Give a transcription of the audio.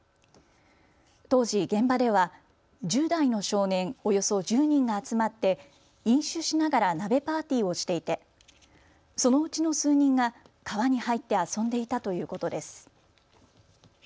当時、現場では１０代の少年およそ１０人が集まって飲酒しながら鍋パーティーをしていてそのうちの数人が川に入って遊んでいたということです。